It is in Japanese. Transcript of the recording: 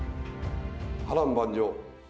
波乱万丈。